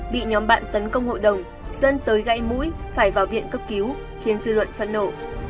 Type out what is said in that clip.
bị nhóm bạn tấn công hội đồng dân tới gãy mũi phải vào viện cấp cứu khiến dư luận phẫn nộ